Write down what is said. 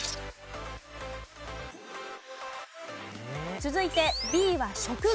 続いてＢは職業。